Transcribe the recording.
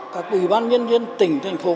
các ủy ban nhân dân tỉnh thành phố